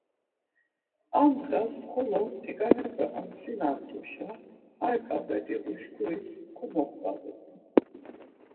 Ar ndğas xolo tiǩanepe omcvinamt̆uşa ar ǩap̌et̆işi uşkuris komoxvadu.